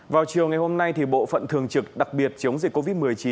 vào chiều ngày hôm nay bộ phận thường trực đặc biệt chống dịch covid một mươi chín